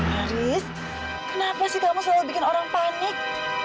aris kenapa sih kamu selalu bikin orang panik